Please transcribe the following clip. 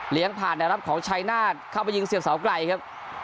เหลียงผ่านแนวครับของชายนาดเข้าไปยิงเสียงเสาไกรครับ